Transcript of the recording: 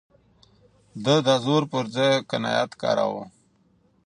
ده د زور پر ځای قناعت کاراوه.